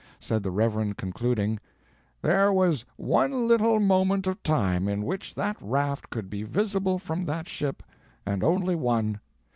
Said the Reverend, concluding: "There was one little moment of time in which that raft could be visible from that ship, and only one.